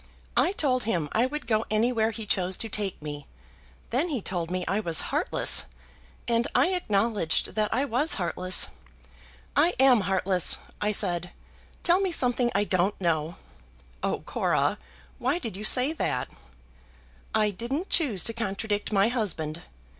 I told him I would go anywhere he chose to take me. Then he told me I was heartless; and I acknowledged that I was heartless. 'I am heartless,' I said. 'Tell me something I don't know.'" "Oh, Cora, why did you say that?" "I didn't choose to contradict my husband.